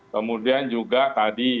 kemudian juga tadi